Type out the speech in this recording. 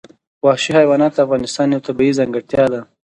وحشي حیوانات د افغانستان یوه طبیعي ځانګړتیا ده.